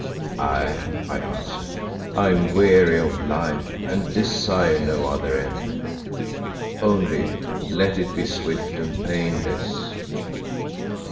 "Aye," I answered. "I am weary of life and desire no other end. Only let it be swift and painless."